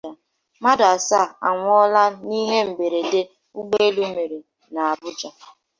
Mmadụ Asaa Anwụọla n'Ihe Mberede Ụgbọelu Mere n'Abụja